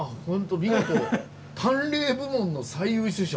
「見事淡麗部門の最優秀賞」。